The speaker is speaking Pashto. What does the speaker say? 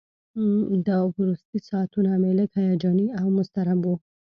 دا وروستي ساعتونه مې لږ هیجاني او مضطرب وو.